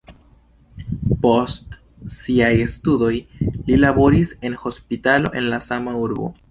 Post siaj studoj li laboris en hospitalo en la sama urbo.